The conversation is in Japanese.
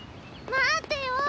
待ってよ。